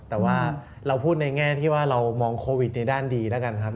แต่ว่าเราพูดในแง่ที่ว่าเรามองโควิดในด้านดีแล้วกันครับ